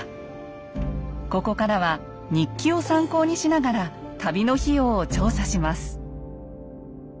ここからは日記を参考にしながら旅の費用を調査します。